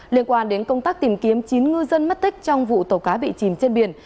liên quan đến công tác tìm kiếm chín ngư dân mất tích trong vụ tổ cá bị chiếm